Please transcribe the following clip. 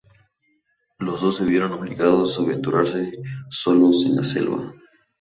Los dos se vieron obligados a aventurarse solos en la selva.